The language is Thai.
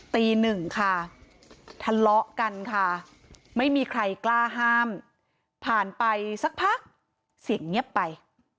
ตีหนึ่งค่ะทะเลาะกันค่ะไม่มีใครกล้าห้ามผ่านไปสักพักเสียงเงียบไป